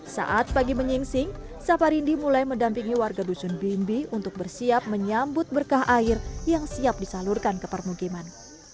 saat pagi menyingsing saparindi mulai mendampingi warga dusun bimbi untuk bersiap menyambut berkah air yang siap disalurkan ke permukiman